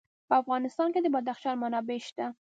په افغانستان کې د بدخشان منابع شته.